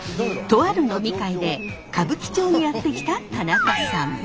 とある飲み会で歌舞伎町にやって来た田中さん。